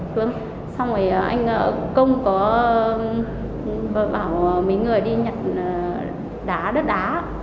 xong rồi anh công có bảo mấy người đi nhặt đá đất đá